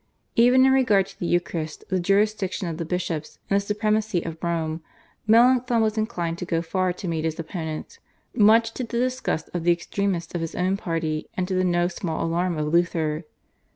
Even in regard to the Eucharist, the jurisdiction of the bishops, and the supremacy of Rome, Melanchthon was inclined to go far to meet his opponents, much to the disgust of the extremists of his own party and to the no small alarm of Luther.